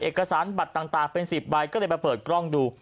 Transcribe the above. เอกสารบัตรต่างเป็น๑๐ใบก็เลยมาเปิดกล้องดู